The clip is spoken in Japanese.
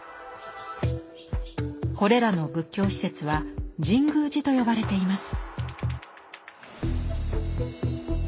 これらの仏教施設は「神宮寺」と呼ばれています。